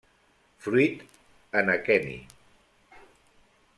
Fruit en aqueni.